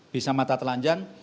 bisa mata telanjang